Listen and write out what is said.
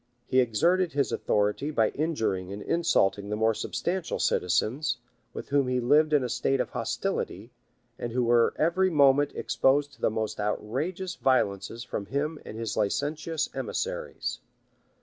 He exerted his authority by injuring and insulting the more substantial citizens, with whom he lived in a state of hostility, and who were every moment exposed to the most outrageous violences from him and his licentious emissaries.